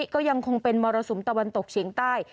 ก็ยังคงเป็นมรสุมตะวันตกเฉียงใต้